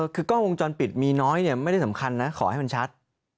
คือกล้องวงจรปิดมีน้อยไม่ได้สำคัญนะขอให้มันชัด